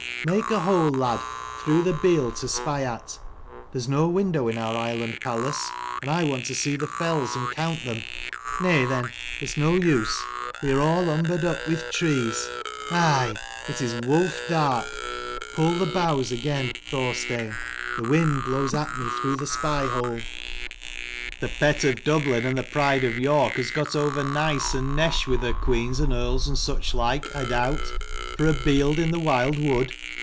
Make a hole, lad, through the bield to spy at. There's no window in our island palace : and I want to see the fells, and count them. Nay then; it's no use: we are all umbered up with trees. Aigh ! it is wolf dark : pull the boughs again, Thorstein ; the wind blows at me through the spy hole." 263 CHAPTER XLV. ON THE ISLAND. " The pet of Dublin and the pride of York has got over nice and nesh with her queens and earls and such like, I doubt, for a bield in the wild wood.